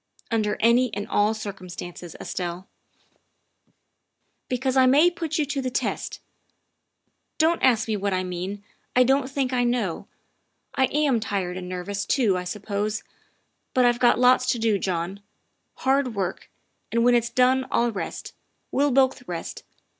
" Under any and all circumstances, Estelle." " Because I may put you to the test. Don't ask me what I mean I don't think I know. I am tired and nervous too, I suppose, but I've got lots to do, John, hard work, and when it's done I'll rest. We'll both rest.